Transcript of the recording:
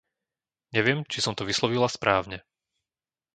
Neviem, či som to vyslovila správne.